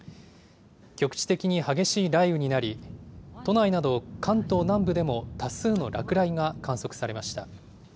局地的に激しい雷雨になり、都内など関東南部でも多数の落雷が観測されました。